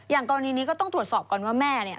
กรณีนี้ก็ต้องตรวจสอบก่อนว่าแม่เนี่ย